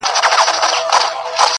میکده څه نن یې پیر را سره خاندي,